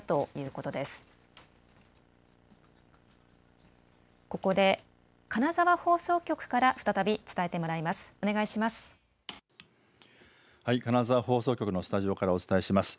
ここで金沢放送局から再び伝えてもらいます。